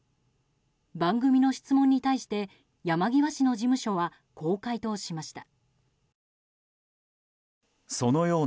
番組の質問に対して山際氏の事務所はこう回答しました。